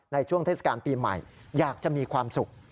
เทศกาลปีใหม่อยากจะมีความสุข